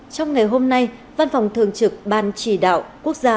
trong ngày hôm nay văn phòng thường trực ban chỉ đạo quốc gia